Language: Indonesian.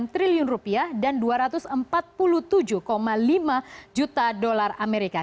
satu ratus tujuh puluh empat tiga puluh sembilan triliun rupiah dan dua ratus empat puluh tujuh lima juta dolar amerika